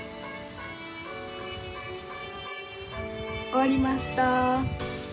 終わりました。